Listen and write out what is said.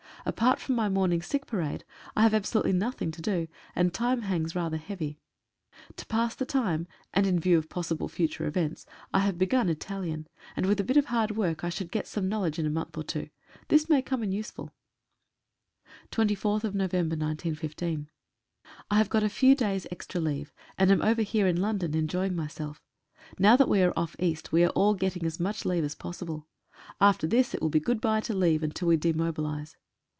Apart from my morning sick parade I have absolutely nothing to do, and time hangs rather heavy. To pass the time, and in view of possible future events, I have begun Italian, and with a bit of hard work I should get some knowledge in a month or two. This may come in useful. «> B «> 24/11/15. 3 HAVE got a few days extra leave, and am over here (London) enjoying myself. Now that we are off East we are all getting as much leave as possible. After this it will be good bye to leave until we demo bilise.